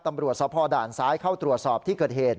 ตำรวจสภด่านซ้ายเข้าตรวจสอบที่เกิดเหตุ